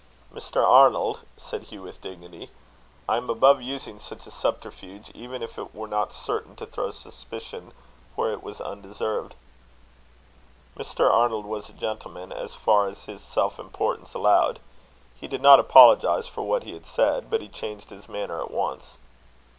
"Mr. Arnold," said Hugh, with dignity, "I am above using such a subterfuge, even if it were not certain to throw suspicion where it was undeserved." Mr. Arnold was a gentleman, as far as his self importance allowed. He did not apologize for what he had said, but he changed his manner at once.